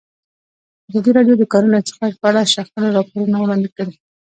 ازادي راډیو د د کانونو استخراج په اړه د شخړو راپورونه وړاندې کړي.